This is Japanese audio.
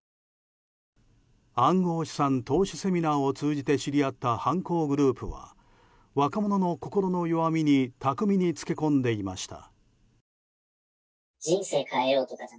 暗号資産投資セミナーを通じて知り合った犯行グループは若者の心の弱みに巧みにつけ込んでいました。